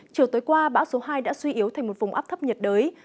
chiều tối qua bão số hai đã suy yếu thành một vùng áp thấp nhiệt đới